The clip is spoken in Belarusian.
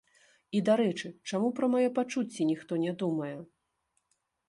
І, дарэчы, чаму пра мае пачуцці ніхто не думае?